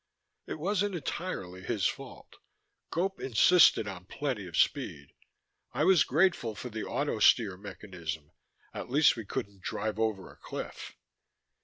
It wasn't entirely his fault: Gope insisted on plenty of speed. I was grateful for the auto steer mechanism; at least we couldn't drive over a cliff.